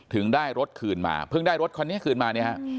ถึงได้รถคืนมาเพิ่งได้รถคันนี้คืนมาเนี่ยฮะ